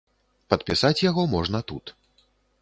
Падпісаць яго можна тут.